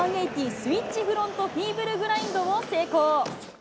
スイッチフロントフィーブルグラインドを成功。